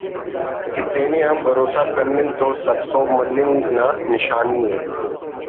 کہ تینے آ بھروسہ کننگ تو سرسہب مننگ نا نشانی ءِ